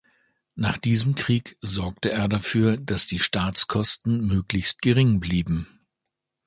Nach diesem Krieg sorgte er dafür, dass die Staatskosten möglichst gering blieben.